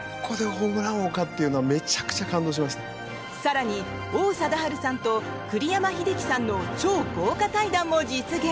更に王貞治さんと栗山英樹さんの超豪華対談も実現。